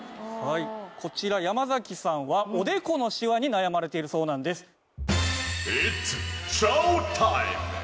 はいこちら山崎さんはおでこのシワに悩まれているそうなんです。